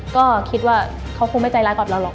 ก็คิดว่าเขาคงไม่ใจร้ายกับเราหรอก